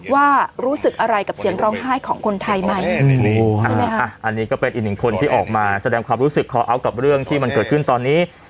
ว่ารู้สึกอะไรกับเสียงร้องไห้ของคนไทยไหมอ่ะอันนี้ก็เป็นอีกหนึ่งคนที่ออกมาแสดงความรู้สึกคอเอาท์กับเรื่องที่มันเกิดขึ้นตอนนี้